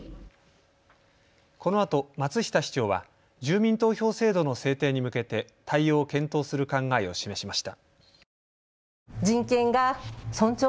このあと松下市長は住民投票制度の制定に向けて対応を検討する考えを示しました。